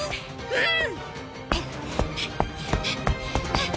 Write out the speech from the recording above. うん！